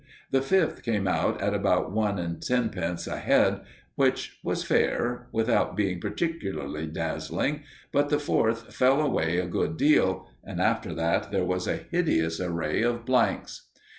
The Fifth came out at about one and tenpence a head, which was fair, without being particularly dazzling; but the Fourth fell away a good deal. And after that there was a hideous array of blanks.